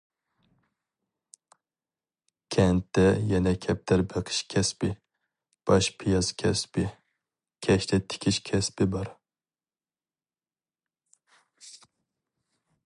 كەنتتە يەنە كەپتەر بېقىش كەسپى، باش پىياز كەسپى، كەشتە تىكىش كەسپى... بار.